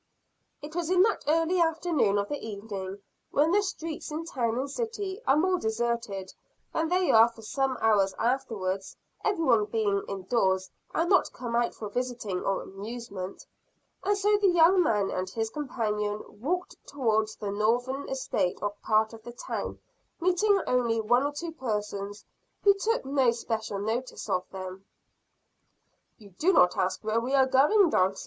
It was in that early hour of the evening, when the streets in town and city, are more deserted than they are for some hours afterwards; everyone being indoors, and not come out for visiting or amusement. And so the young man and his companion walked towards the north eastern part of the town, meeting only one or two persons, who took no special notice of them. "You do not ask where we are going, Dulcibel?"